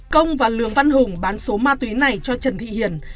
công và lường văn hùng bán số ma túy này cho trần thị hiền